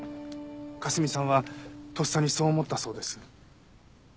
香澄さんはとっさにそう思ったそうです。